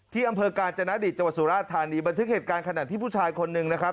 อำเภอกาญจนดิตจังหวัดสุราชธานีบันทึกเหตุการณ์ขณะที่ผู้ชายคนหนึ่งนะครับ